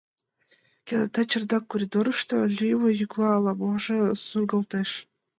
...Кенета чердак коридорышто лӱйымӧ йӱкла ала-можо сургалтеш.